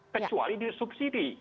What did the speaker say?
kecuali di subsidi